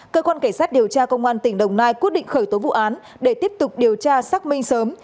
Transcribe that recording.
cơ quan cảnh sát điều tra công an tỉnh đồng nai quyết định khởi tố vụ án để tiếp tục điều tra xác minh sớm